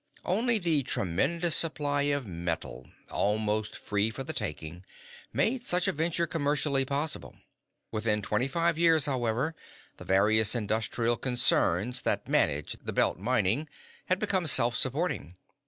Only the tremendous supply of metal almost free for the taking made such a venture commercially possible. Within twenty five years, however, the various industrial concerns that managed the Belt mining had become self supporting.